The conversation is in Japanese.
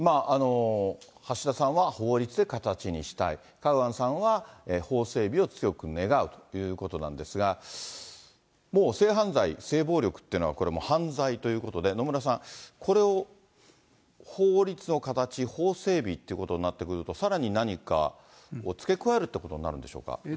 橋田さんは法律で形にしたい、カウアンさんは法整備を強く願うということなんですが、もう性犯罪、性暴力というのはこれもう犯罪ということで、野村さん、これを法律の形、法整備っていうことになってくると、さらに何かを付け加えるってことになるんでしょうか。